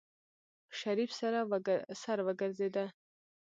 په شريف سر وګرځېده.